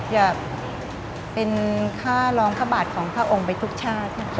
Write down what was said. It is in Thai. อยากเป็นฆ่าหลองท่าบาทของพระองค์ไปทุกชาติค่ะ